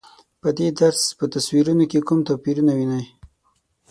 په دې درس په تصویرونو کې کوم توپیرونه وینئ؟